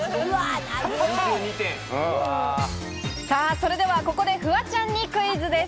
それではここでフワちゃんにクイズです。